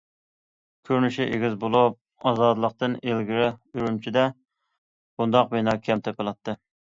كۆرۈنۈشى ئېگىز بولۇپ، ئازادلىقتىن ئىلگىرى ئۈرۈمچىدە بۇنداق بىنا كەم تېپىلاتتى.